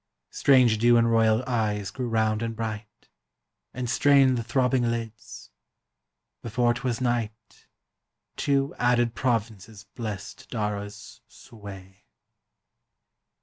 Strange dew in royal eyes grew round and bright, And strained the throbbing Hds; before 't was night Two added provinces blest Dara's sway.